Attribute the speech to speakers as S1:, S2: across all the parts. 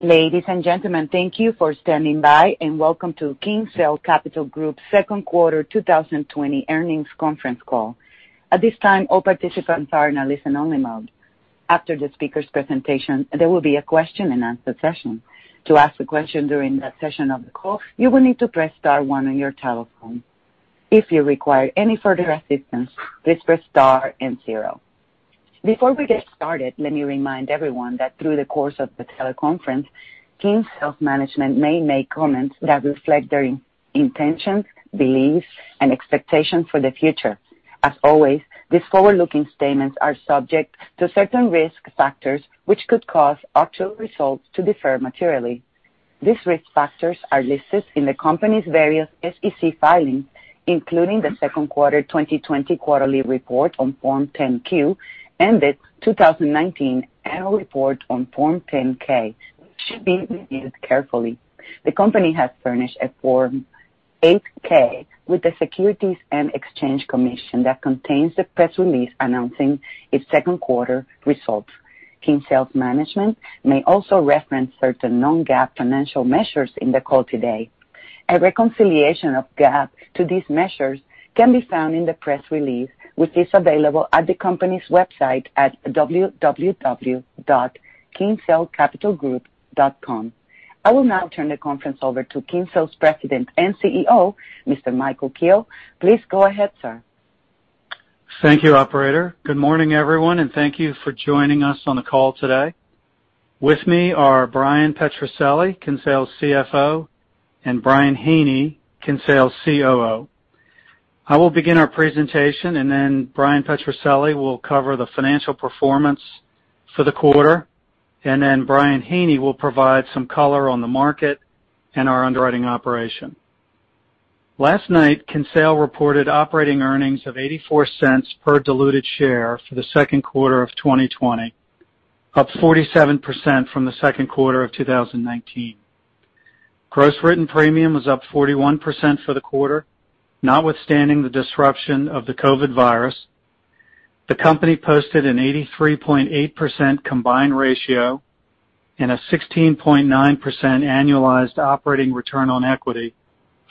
S1: Ladies and gentlemen, thank you for standing by, and welcome to Kinsale Capital Group's Second Quarter 2020 Earnings Conference call. At this time, all participants are in a listen-only mode. After the speaker's presentation, there will be a question-and-answer session. To ask a question during that session of the call, you will need to press star one on your telephone. If you require any further assistance, please press star and zero. Before we get started, let me remind everyone that through the course of the teleconference, Kinsale Management may make comments that reflect their intentions, beliefs, and expectations for the future. As always, these forward-looking statements are subject to certain risk factors which could cause actual results to differ materially. These risk factors are listed in the company's various SEC filings, including the second quarter 2020 quarterly report on Form 10Q and the 2019 annual report on Form 10K, which should be reviewed carefully. The company has furnished a Form 8K with the Securities and Exchange Commission that contains the press release announcing its second quarter results. Kinsale Management may also reference certain non-GAAP financial measures in the call today. A reconciliation of GAAP to these measures can be found in the press release, which is available at the company's website at www.kinsalecapitalgroup.com. I will now turn the conference over to Kinsale's President and CEO, Mr. Michael Kehoe. Please go ahead, sir.
S2: Thank you, Operator. Good morning, everyone, and thank you for joining us on the call today. With me are Brian Petrucelli, Kinsale CFO, and Brian Haney, Kinsale COO. I will begin our presentation, and then Brian Petrucelli will cover the financial performance for the quarter, and then Brian Haney will provide some color on the market and our underwriting operation. Last night, Kinsale reported operating earnings of $0.84 per diluted share for the second quarter of 2020, up 47% from the second quarter of 2019. Gross written premium was up 41% for the quarter, notwithstanding the disruption of the COVID virus. The company posted an 83.8% combined ratio and a 16.9% annualized operating return on equity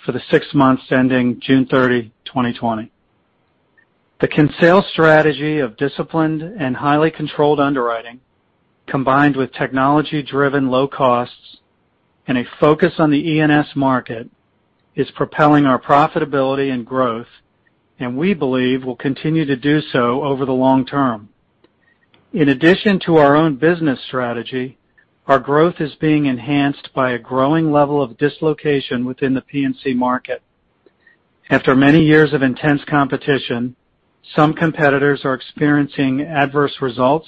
S2: for the six months ending June 30, 2020. The Kinsale strategy of disciplined and highly controlled underwriting, combined with technology-driven low costs and a focus on the E&S market, is propelling our profitability and growth, and we believe will continue to do so over the long term. In addition to our own business strategy, our growth is being enhanced by a growing level of dislocation within the P&C market. After many years of intense competition, some competitors are experiencing adverse results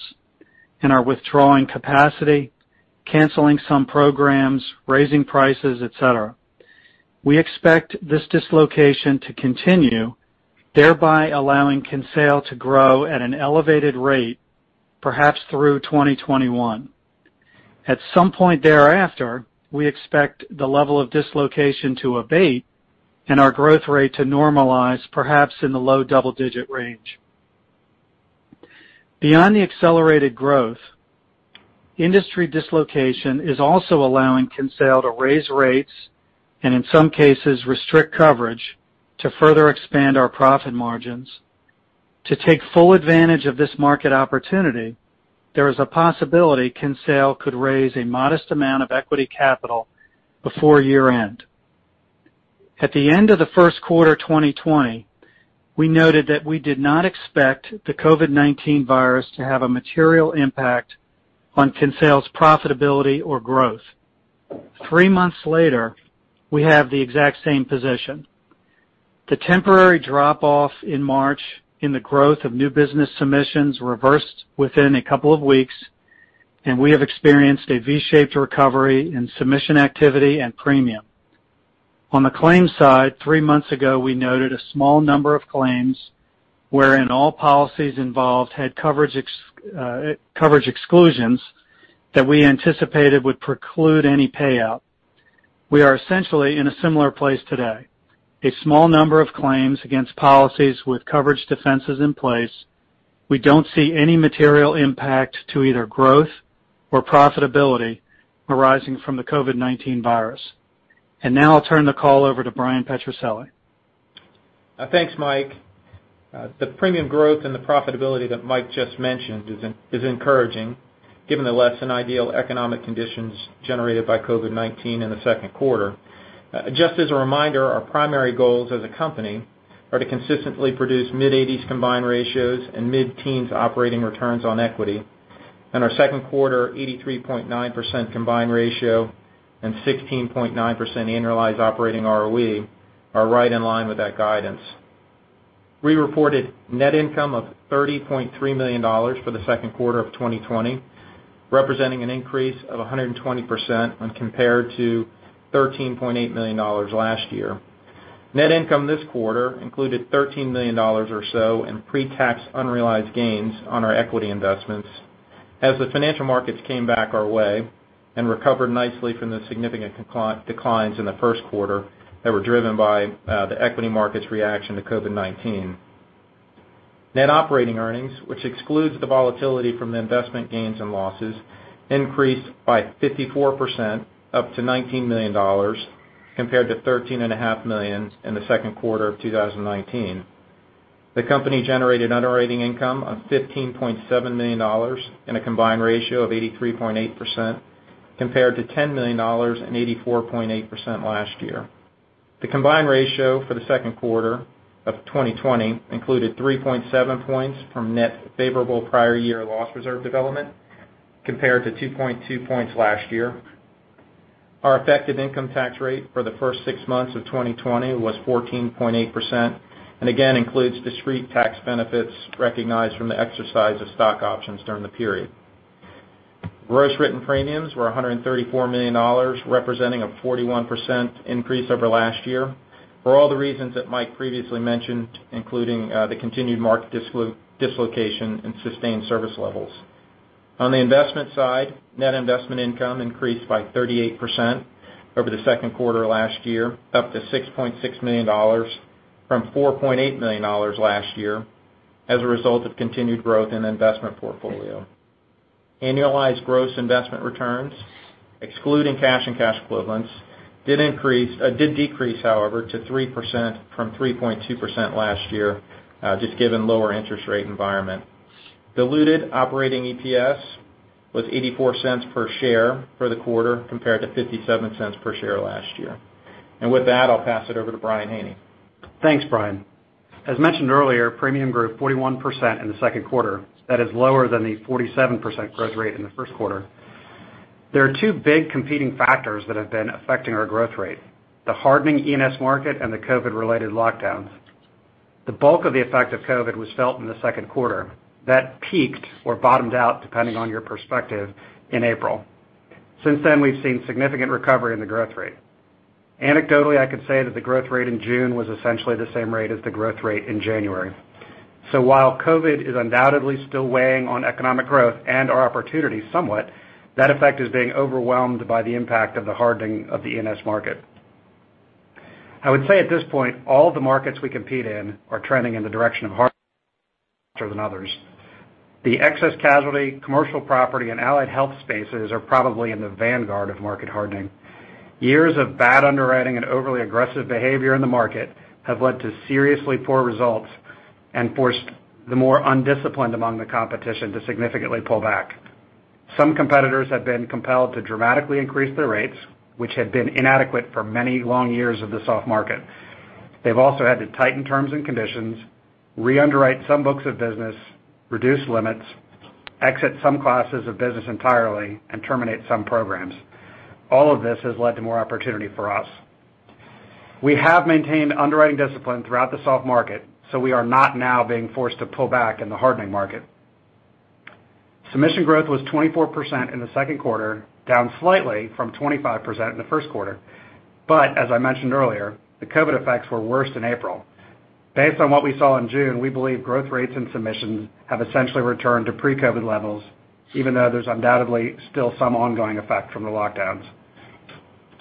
S2: and are withdrawing capacity, canceling some programs, raising prices, etc. We expect this dislocation to continue, thereby allowing Kinsale to grow at an elevated rate, perhaps through 2021. At some point thereafter, we expect the level of dislocation to abate and our growth rate to normalize, perhaps in the low double-digit range. Beyond the accelerated growth, industry dislocation is also allowing Kinsale to raise rates and, in some cases, restrict coverage to further expand our profit margins. To take full advantage of this market opportunity, there is a possibility Kinsale could raise a modest amount of equity capital before year-end. At the end of the first quarter 2020, we noted that we did not expect the COVID-19 virus to have a material impact on Kinsale's profitability or growth. Three months later, we have the exact same position. The temporary drop-off in March in the growth of new business submissions reversed within a couple of weeks, and we have experienced a V-shaped recovery in submission activity and premium. On the claims side, three months ago, we noted a small number of claims wherein all policies involved had coverage exclusions that we anticipated would preclude any payout. We are essentially in a similar place today. A small number of claims against policies with coverage defenses in place. We do not see any material impact to either growth or profitability arising from the COVID-19 virus. I will now turn the call over to Brian Petrucelli.
S3: Thanks, Mike. The premium growth and the profitability that Mike just mentioned is encouraging, given the less than ideal economic conditions generated by COVID-19 in the second quarter. Just as a reminder, our primary goals as a company are to consistently produce mid-80s combined ratios and mid-teens operating returns on equity, and our second quarter 83.9% combined ratio and 16.9% annualized operating ROE are right in line with that guidance. We reported net income of $30.3 million for the second quarter of 2020, representing an increase of 120% when compared to $13.8 million last year. Net income this quarter included $13 million or so in pre-tax unrealized gains on our equity investments as the financial markets came back our way and recovered nicely from the significant declines in the first quarter that were driven by the equity markets' reaction to COVID-19. Net operating earnings, which excludes the volatility from investment gains and losses, increased by 54%, up to $19 million compared to $13.5 million in the second quarter of 2019. The company generated underwriting income of $15.7 million and a combined ratio of 83.8% compared to $10 million and 84.8% last year. The combined ratio for the second quarter of 2020 included 3.7 percentage points from net favorable prior year loss reserve development compared to 2.2 percentage points last year. Our effective income tax rate for the first six months of 2020 was 14.8% and again includes discrete tax benefits recognized from the exercise of stock options during the period. Gross written premiums were $134 million, representing a 41% increase over last year for all the reasons that Mike previously mentioned, including the continued market dislocation and sustained service levels. On the investment side, net investment income increased by 38% over the second quarter of last year, up to $6.6 million from $4.8 million last year as a result of continued growth in the investment portfolio. Annualized gross investment returns, excluding cash and cash equivalents, did decrease, however, to 3% from 3.2% last year, just given the lower interest rate environment. Diluted operating EPS was $0.84 per share for the quarter compared to $0.57 per share last year. With that, I'll pass it over to Brian Haney.
S4: Thanks, Brian. As mentioned earlier, premium grew 41% in the second quarter. That is lower than the 47% growth rate in the first quarter. There are two big competing factors that have been affecting our growth rate: the hardening E&S market and the COVID-related lockdowns. The bulk of the effect of COVID was felt in the second quarter. That peaked or bottomed out, depending on your perspective, in April. Since then, we've seen significant recovery in the growth rate. Anecdotally, I could say that the growth rate in June was essentially the same rate as the growth rate in January. While COVID is undoubtedly still weighing on economic growth and our opportunity somewhat, that effect is being overwhelmed by the impact of the hardening of the E&S market. I would say at this point, all the markets we compete in are trending in the direction of hardening more than others. The excess casualty, commercial property, and allied health spaces are probably in the vanguard of market hardening. Years of bad underwriting and overly aggressive behavior in the market have led to seriously poor results and forced the more undisciplined among the competition to significantly pull back. Some competitors have been compelled to dramatically increase their rates, which had been inadequate for many long years of the soft market. They've also had to tighten terms and conditions, re-underwrite some books of business, reduce limits, exit some classes of business entirely, and terminate some programs. All of this has led to more opportunity for us. We have maintained underwriting discipline throughout the soft market, so we are not now being forced to pull back in the hardening market. Submission growth was 24% in the second quarter, down slightly from 25% in the first quarter. As I mentioned earlier, the COVID effects were worse in April. Based on what we saw in June, we believe growth rates and submissions have essentially returned to pre-COVID levels, even though there's undoubtedly still some ongoing effect from the lockdowns.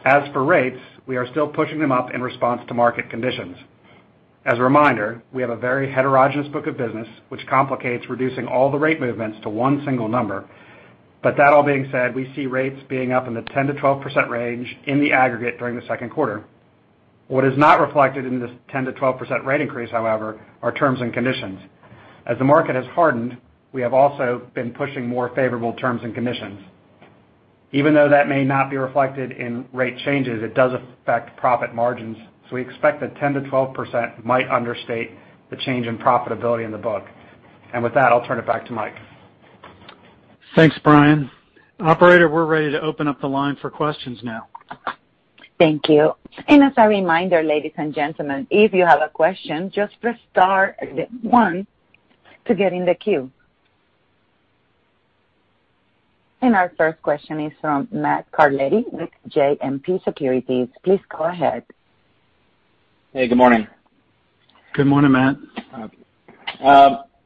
S4: As for rates, we are still pushing them up in response to market conditions. As a reminder, we have a very heterogeneous book of business, which complicates reducing all the rate movements to one single number. That all being said, we see rates being up in the 10%-12% range in the aggregate during the second quarter. What is not reflected in this 10%-12% rate increase, however, are terms and conditions. As the market has hardened, we have also been pushing more favorable terms and conditions. Even though that may not be reflected in rate changes, it does affect profit margins, so we expect that 10%-12% might understate the change in profitability in the book. With that, I'll turn it back to Mike.
S2: Thanks, Brian. Operator, we're ready to open up the line for questions now.
S1: Thank you. As a reminder, ladies and gentlemen, if you have a question, just press star one to get in the queue. Our first question is from Matt Carletti with JMP Securities. Please go ahead.
S5: Hey, good morning.
S2: Good morning, Matt.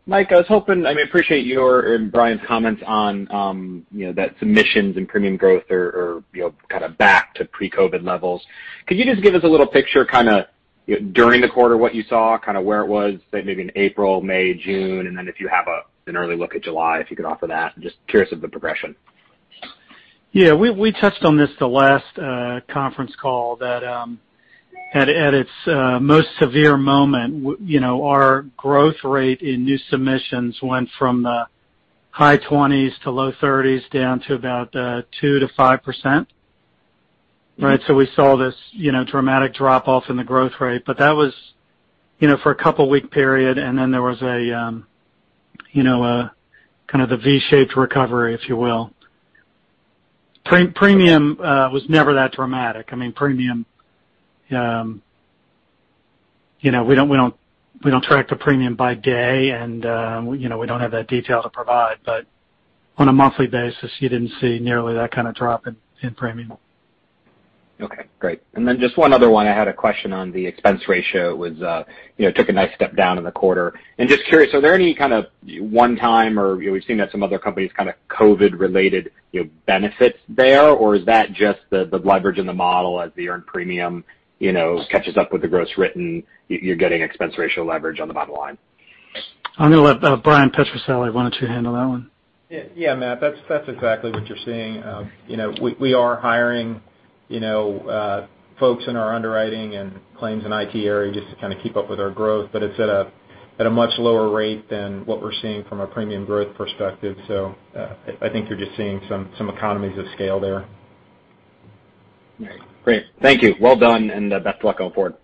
S5: Mike, I was hoping, I mean, I appreciate your and Brian's comments on that submissions and premium growth are kind of back to pre-COVID levels. Could you just give us a little picture kind of during the quarter, what you saw, kind of where it was, say, maybe in April, May, June, and then if you have an early look at July, if you could offer that. Just curious of the progression.
S2: Yeah, we touched on this the last conference call that at its most severe moment, our growth rate in new submissions went from the high 20s- to low 30s down to about 2%-5%. Right? We saw this dramatic drop-off in the growth rate, but that was for a couple-week period, and then there was kind of the V-shaped recovery, if you will. Premium was never that dramatic. I mean, premium, we do not track the premium by day, and we do not have that detail to provide, but on a monthly basis, you did not see nearly that kind of drop in premium.
S5: Okay. Great. Just one other one. I had a question on the expense ratio. It took a nice step down in the quarter. Just curious, are there any kind of one-time or we've seen that some other companies, kind of COVID-related benefits there, or is that just the leverage in the model as the earned premium catches up with the gross written, you're getting expense ratio leverage on the bottom line?
S2: I'm going to let Brian Petrucelli handle that one.
S3: Yeah, Matt. That's exactly what you're seeing. We are hiring folks in our underwriting and claims and IT area just to kind of keep up with our growth, but it's at a much lower rate than what we're seeing from a premium growth perspective. I think you're just seeing some economies of scale there.
S5: Great. Thank you. Well done, and best of luck going forward.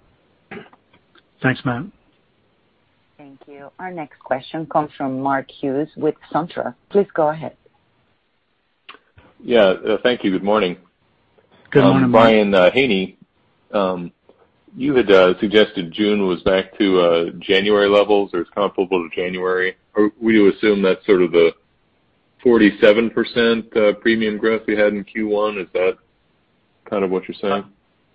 S2: Thanks, Matt.
S1: Thank you. Our next question comes from Mark Hughes with SunTrust. Please go ahead.
S6: Yeah. Thank you. Good morning.
S2: Good morning, Mike.
S6: I'm Brian Haney. You had suggested June was back to January levels or is comparable to January. We assume that's sort of the 47% premium growth we had in Q1. Is that kind of what you're saying?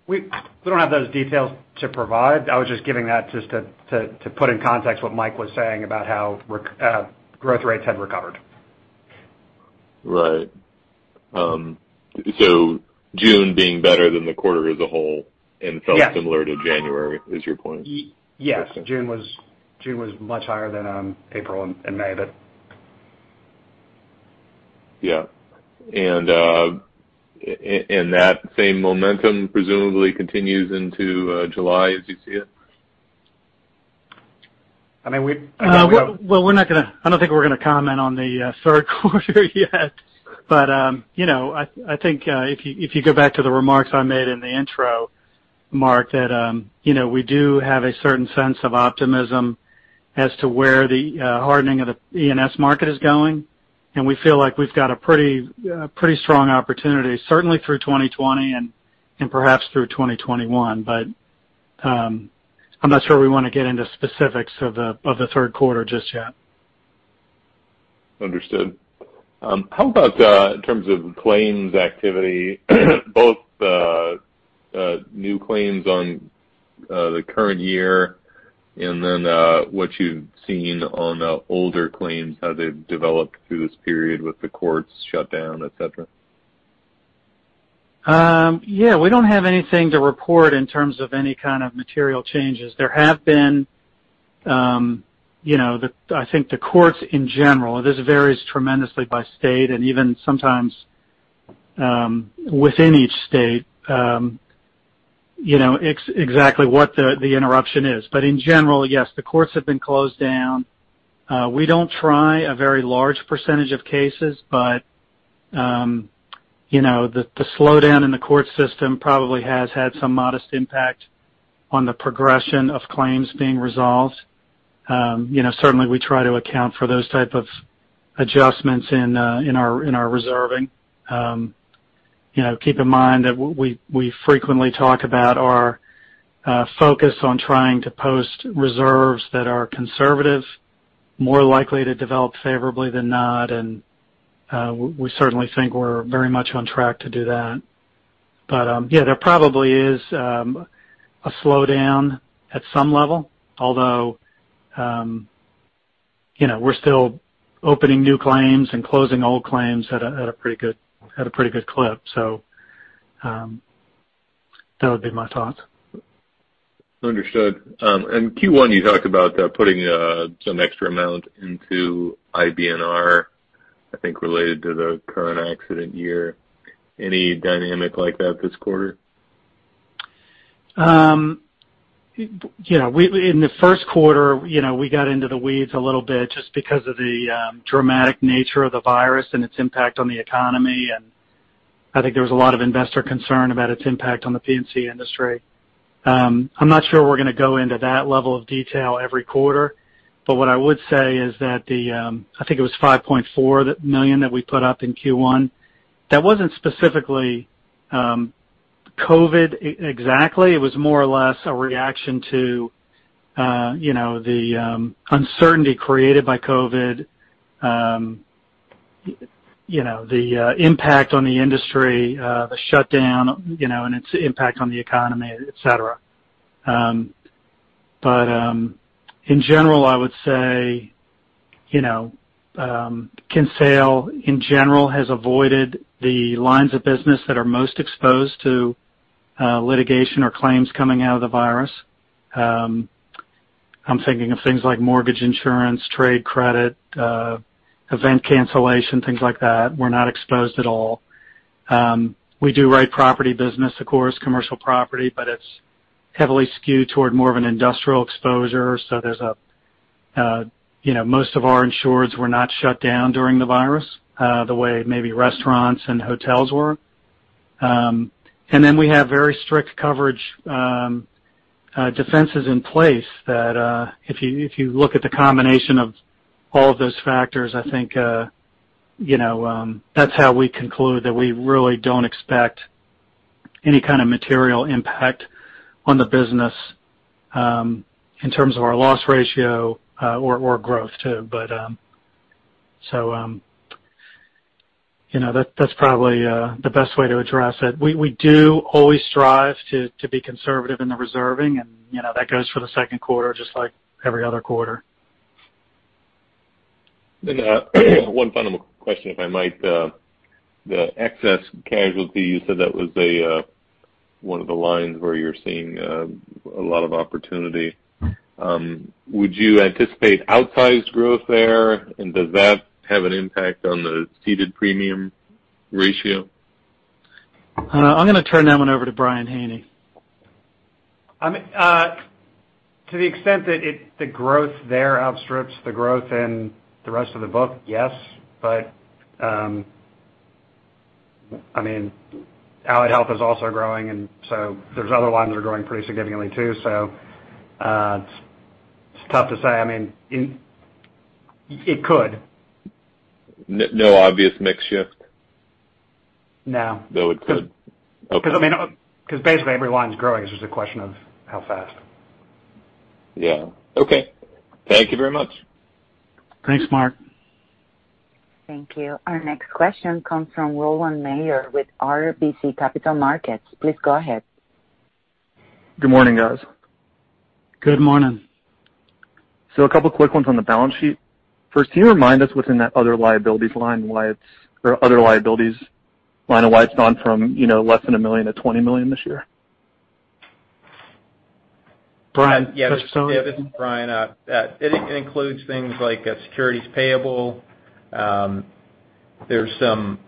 S4: We do not have those details to provide. I was just giving that just to put in context what Mike was saying about how growth rates had recovered.
S6: Right. June being better than the quarter as a whole and felt similar to January, is your point?
S4: Yes. June was much higher than April and May.
S6: Yeah. That same momentum presumably continues into July, as you see it?
S4: I mean, we.
S2: We're not going to, I don't think we're going to comment on the third quarter yet, but I think if you go back to the remarks I made in the intro, Mark, that we do have a certain sense of optimism as to where the hardening of the E&S market is going, and we feel like we've got a pretty strong opportunity, certainly through 2020 and perhaps through 2021, but I'm not sure we want to get into specifics of the third quarter just yet.
S6: Understood. How about in terms of claims activity, both the new claims on the current year and then what you've seen on the older claims, how they've developed through this period with the courts shut down, etc.?
S2: Yeah. We don't have anything to report in terms of any kind of material changes. There have been, I think, the courts in general. This varies tremendously by state and even sometimes within each state, exactly what the interruption is. In general, yes, the courts have been closed down. We don't try a very large percentage of cases, but the slowdown in the court system probably has had some modest impact on the progression of claims being resolved. Certainly, we try to account for those type of adjustments in our reserving. Keep in mind that we frequently talk about our focus on trying to post reserves that are conservative, more likely to develop favorably than not, and we certainly think we're very much on track to do that. Yeah, there probably is a slowdown at some level, although we're still opening new claims and closing old claims at a pretty good clip. So that would be my thoughts.
S6: Understood. In Q1, you talked about putting some extra amount into IBNR, I think, related to the current accident year. Any dynamic like that this quarter?
S2: Yeah. In the first quarter, we got into the weeds a little bit just because of the dramatic nature of the virus and its impact on the economy. I think there was a lot of investor concern about its impact on the P&C industry. I'm not sure we're going to go into that level of detail every quarter, but what I would say is that I think it was $5.4 million that we put up in Q1. That wasn't specifically COVID exactly. It was more or less a reaction to the uncertainty created by COVID, the impact on the industry, the shutdown, and its impact on the economy, etc. In general, I would say Kinsale, in general, has avoided the lines of business that are most exposed to litigation or claims coming out of the virus. I'm thinking of things like mortgage insurance, trade credit, event cancellation, things like that. We're not exposed at all. We do write property business, of course, commercial property, but it's heavily skewed toward more of an industrial exposure. Most of our insureds were not shut down during the virus the way maybe restaurants and hotels were. We have very strict coverage defenses in place that if you look at the combination of all of those factors, I think that's how we conclude that we really don't expect any kind of material impact on the business in terms of our loss ratio or growth, too. That's probably the best way to address it. We do always strive to be conservative in the reserving, and that goes for the second quarter just like every other quarter.
S6: One final question, if I might. The excess casualty, you said that was one of the lines where you're seeing a lot of opportunity. Would you anticipate outsized growth there, and does that have an impact on the ceded premium ratio?
S2: I'm going to turn that one over to Brian Haney.
S4: To the extent that the growth there outstrips the growth in the rest of the book, yes, but I mean, Allied Health is also growing, and so there are other lines that are growing pretty significantly, too. It's tough to say. I mean, it could.
S6: No obvious mixture.
S4: No.
S6: Though it could. Okay.
S4: Because basically, every line's growing. It's just a question of how fast.
S6: Yeah. Okay. Thank you very much.
S2: Thanks, Mark.
S1: Thank you. Our next question comes from Rowland Mayor with RBC Capital Markets. Please go ahead.
S7: Good morning, guys.
S2: Good morning.
S7: A couple of quick ones on the balance sheet. First, can you remind us what's in that other liabilities line or other liabilities line and why it's gone from less than $1 million-$20 million this year?
S4: Brian, yeah.
S5: This is Brian. It includes things like securities payable. There are some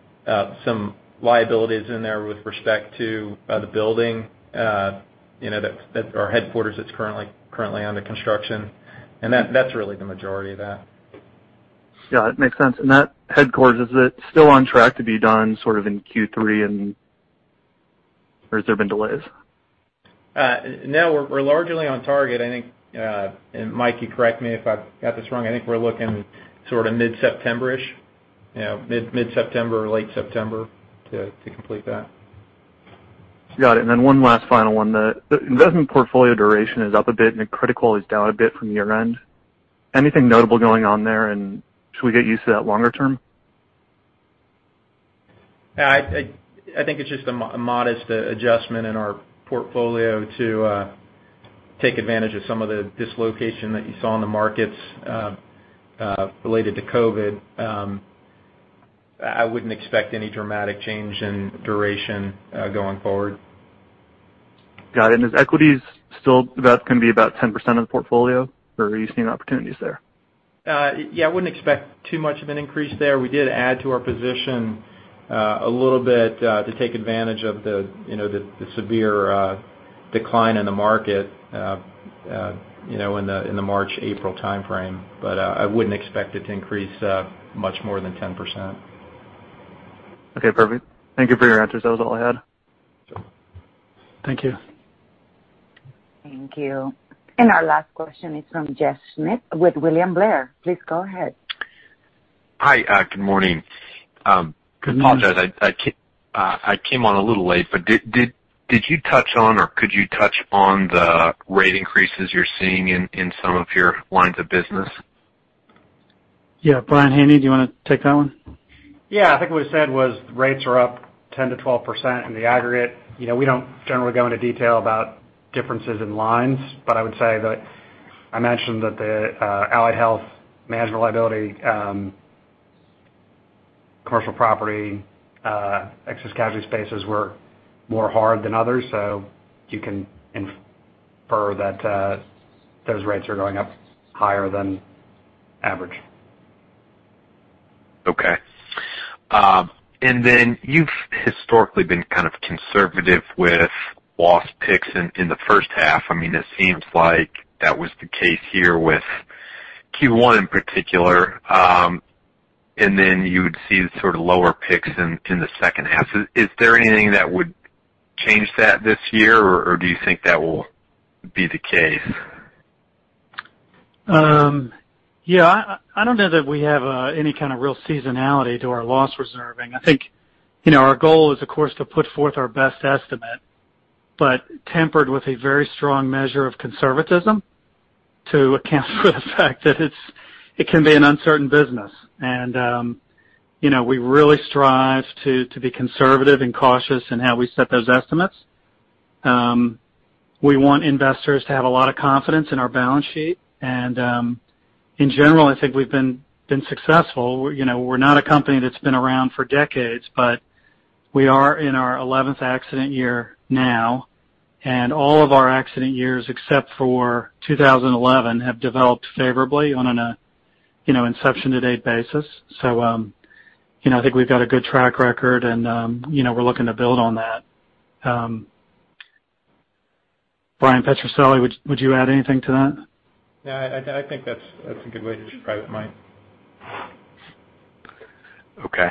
S5: liabilities in there with respect to the building or headquarters that is currently under construction. That is really the majority of that.
S7: Yeah. That makes sense. That headquarters, is it still on track to be done sort of in Q3, or has there been delays?
S4: No, we're largely on target. I think, and Mike, you correct me if I got this wrong, I think we're looking sort of mid-September-ish, mid-September or late September to complete that.
S7: Got it. One last final one. The investment portfolio duration is up a bit, and the critical is down a bit from year-end. Anything notable going on there, and should we get used to that longer term?
S4: I think it's just a modest adjustment in our portfolio to take advantage of some of the dislocation that you saw in the markets related to COVID. I wouldn't expect any dramatic change in duration going forward.
S7: Got it. Is equities still going to be about 10% of the portfolio, or are you seeing opportunities there?
S4: Yeah. I wouldn't expect too much of an increase there. We did add to our position a little bit to take advantage of the severe decline in the market in the March-April timeframe, but I wouldn't expect it to increase much more than 10%.
S7: Okay. Perfect. Thank you for your answers. That was all I had.
S2: Thank you.
S1: Thank you. Our last question is from Jeff Smith with William Blair. Please go ahead.
S8: Hi. Good morning. I apologize. I came on a little late, but did you touch on or could you touch on the rate increases you're seeing in some of your lines of business?
S2: Yeah. Brian Haney, do you want to take that one?
S4: Yeah. I think what he said was rates are up 10%-12% in the aggregate. We do not generally go into detail about differences in lines, but I would say that I mentioned that the Allied Health, management liability, commercial property, excess casualty spaces were more hard than others, so you can infer that those rates are going up higher than average.
S8: Okay. You have historically been kind of conservative with loss picks in the first half. I mean, it seems like that was the case here with Q1 in particular, and then you would see sort of lower picks in the second half. Is there anything that would change that this year, or do you think that will be the case?
S2: Yeah. I don't know that we have any kind of real seasonality to our loss reserving. I think our goal is, of course, to put forth our best estimate, but tempered with a very strong measure of conservatism to account for the fact that it can be an uncertain business. We really strive to be conservative and cautious in how we set those estimates. We want investors to have a lot of confidence in our balance sheet. In general, I think we've been successful. We're not a company that's been around for decades, but we are in our 11th accident year now, and all of our accident years except for 2011 have developed favorably on an inception-to-date basis. I think we've got a good track record, and we're looking to build on that. Brian Petrucelli, would you add anything to that?
S3: Yeah. I think that's a good way to describe it, Mike.
S8: Okay.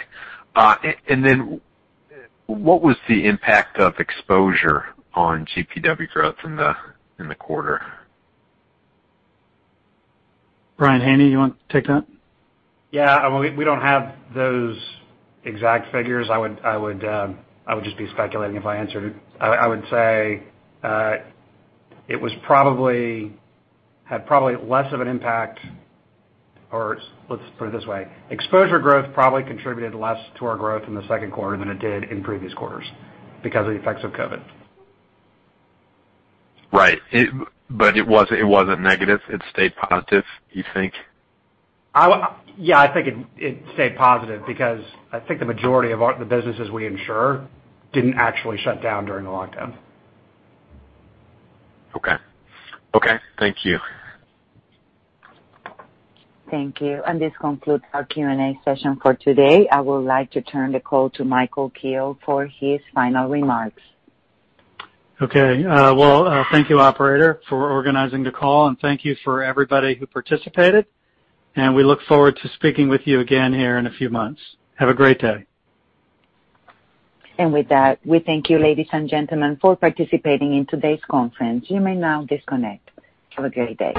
S8: What was the impact of exposure on GPW growth in the quarter?
S2: Brian Haney, you want to take that?
S4: Yeah. We do not have those exact figures. I would just be speculating if I answered it. I would say it had probably less of an impact, or let us put it this way. Exposure growth probably contributed less to our growth in the second quarter than it did in previous quarters because of the effects of COVID.
S8: Right. It was not negative. It stayed positive, you think?
S4: Yeah. I think it stayed positive because I think the majority of the businesses we insure did not actually shut down during the lockdown.
S8: Okay. Okay. Thank you.
S1: Thank you. This concludes our Q&A session for today. I would like to turn the call to Michael Kehoe for his final remarks.
S2: Okay. Thank you, operator, for organizing the call, and thank you for everybody who participated. We look forward to speaking with you again here in a few months. Have a great day.
S1: With that, we thank you, ladies and gentlemen, for participating in today's conference. You may now disconnect. Have a great day.